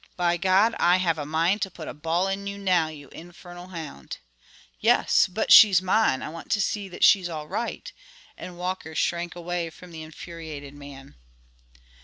By God! I have a mind to put a ball in you now, you infernal hound!" "Yes, but she's mine; I want to see that she's all right," and Walker shrank away from the infuriated man.